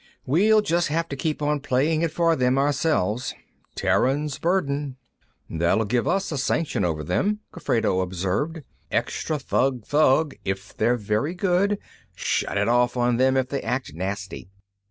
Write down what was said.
We'll just have to keep on playing it for them ourselves. Terrans' Burden." "That'll give us a sanction over them," Gofredo observed. "Extra thugg thugg if they're very good; shut it off on them if they act nasty.